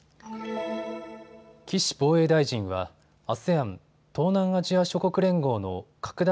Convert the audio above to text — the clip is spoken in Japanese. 岸防衛大臣はＡＳＥＡＮ・東南アジア諸国連合の拡大